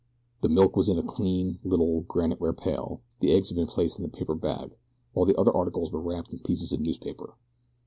The milk was in a clean little graniteware pail, the eggs had been placed in a paper bag, while the other articles were wrapped in pieces of newspaper.